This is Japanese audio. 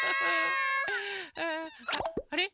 あれ？